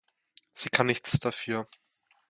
Sie kann nichts dafür.